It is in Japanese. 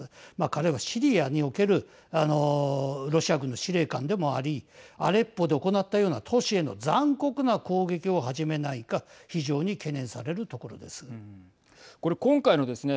彼はシリアにおけるロシア軍の司令官でありアレッポで行ったような都市への残酷な攻撃を始めないかこれ今回のですね